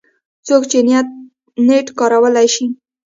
څوک چې نېټ کارولی شي